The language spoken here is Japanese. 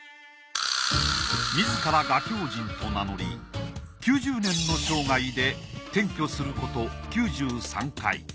自ら画狂人と名乗り９０年の生涯で転居すること９３回。